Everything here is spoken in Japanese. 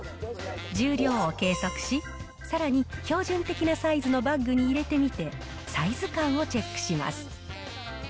重量を計測し、さらに標準的なサイズのバッグに入れてみて、サイズ感をチェックします。